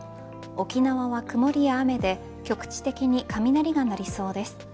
沖縄は曇りや雨で局地的に雷が鳴りそうです。